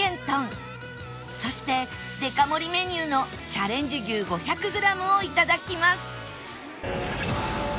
そしてデカ盛りメニューのチャレンジ牛５００グラムを頂きます